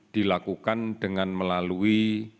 dilakukan dengan melalui